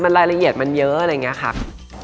รายละเอียดมันเยอะอะไรอย่างนี้ค่ะ